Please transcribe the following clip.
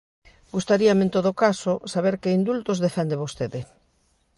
Gustaríame, en todo caso, saber que indultos defende vostede.